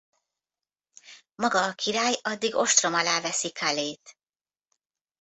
Maga a király addig ostrom alá veszi Calais-t.